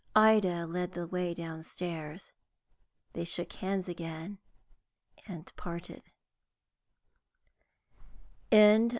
Ida led the way downstairs. They shook hands again, and parted.